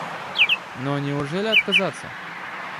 Но неужели отказаться?